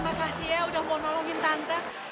terima kasih ya udah mau nolongin tante